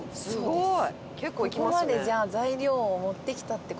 すごい。